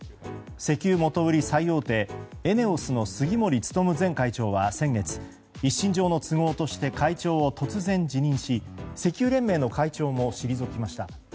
石油元売り最大手ＥＮＥＯＳの杉森務前会長は先月一身上の都合として会長を突然辞任し石油連盟の会長も退きました。